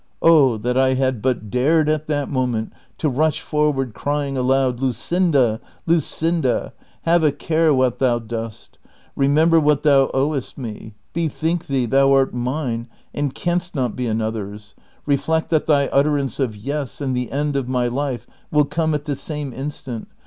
Oh, that I had but dared at that moment to rush forward cry ing aloud, "Luseinda, Luseinda! have a cai e what thou dost; remember Avhat thou owest me ; bethink thee thou art mine and canst not be another's ; reflect that thy utterance of ' Yes ' and the end of my life will come at the same instant.